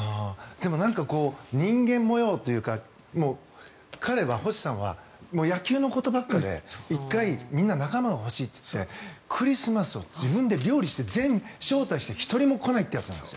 人間模様というか彼は、星さんは野球のことばっかで１回、みんな仲間が欲しいってことでクリスマスを自分で料理して招待して１人も来ないというやつなんです。